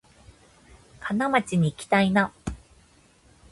金町にいきたいな